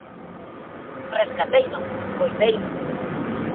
Rescateino, coideino...